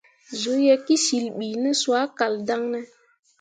Zuu ye kǝsyil bi ne soa kal daŋ ne ?